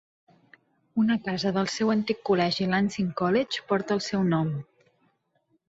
Una casa del seu antic col·legi Lancing College porta el seu nom.